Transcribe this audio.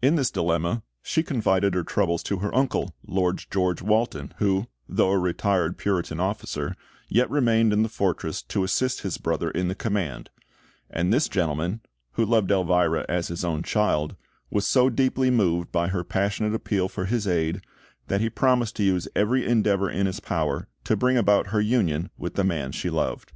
In this dilemma, she confided her troubles to her uncle, Lord George Walton, who, though a retired Puritan officer, yet remained in the fortress to assist his brother in the command; and this gentleman, who loved Elvira as his own child, was so deeply moved by her passionate appeal for his aid that he promised to use every endeavour in his power to bring about her union with the man she loved.